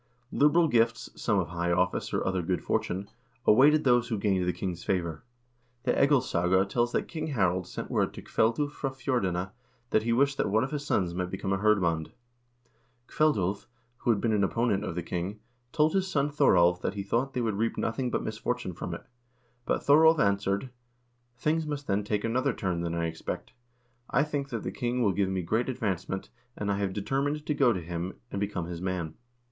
1 Liberal gifts, some high office or other good fortune, awaited those who gained the king's favor. The "Egilssaga" tells that King Harald sent word to Kveldulv fra Fjordene that he wished that one of his sons might become a hirdmand. Kveldulv, who had been an opponent of the king, told his son Thoralv that he thought they would reap nothing but misfortune from it. But Thoralv answered : "Things must then take another turn than I expect. I think that the king will give me great advancement, and I have determined to go to him and become his man.